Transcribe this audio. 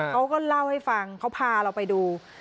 เขาก็เล่าให้ฟังเขาพาเราไปดู